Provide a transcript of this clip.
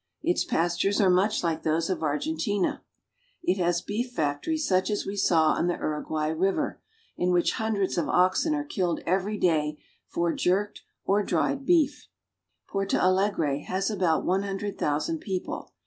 Its pastures are much like those of Argentina; it has beef factories such as we saw on the Uruguay river, in which hundreds of oxen are killed every day for jerked or dried beef. Porto Alegre has about one hundred thousand people.